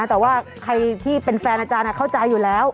แต่ว่าใครที่เป็นแฟนอาจารย์เข้าใจอยู่แล้ว